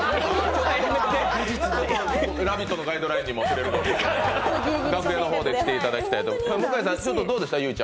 「ラヴィット！」のガイドラインにも触れるので楽屋の方で着ていただきたいと思います。